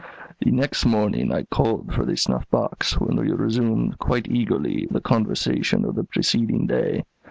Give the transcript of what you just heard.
"The next morning I called for the snuff box, when we resumed, quite eagerly, the conversation of the preceding day.